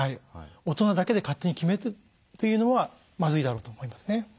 大人だけで勝手に決めてというのはまずいだろうと思いますね。